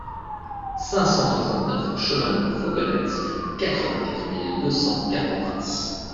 cinq cent soixante-neuf chemin de la Fauconnette, quatre-vingt-quatre mille deux cents Carpentras